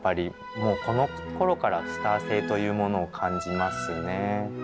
もうこのころからスター性というものを感じますね。